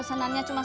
duduk dulu mas